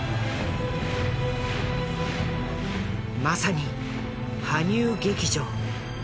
まさに「羽生劇場」。